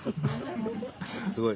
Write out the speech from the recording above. すごい。